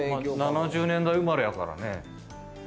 ７０年代生まれやからね。